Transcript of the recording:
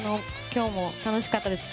今日も楽しかったです。